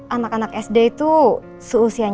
anak anak sd itu seusianya ya kan